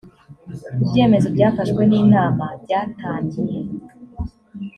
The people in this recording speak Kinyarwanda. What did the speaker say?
ibyemezo byafashwe n’ inama byatangiye.